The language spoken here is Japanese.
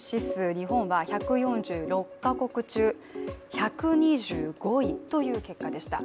日本は１４６か国中１２５位という結果でした。